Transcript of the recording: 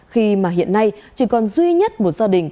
khi mà hiện nay chỉ còn duy nhất một gia đình